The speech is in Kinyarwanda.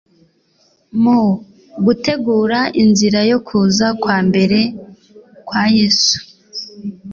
Mu gutegura inzira yo kuza kwa mbere kwa Yesu,